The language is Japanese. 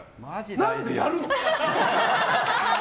何で、やるの？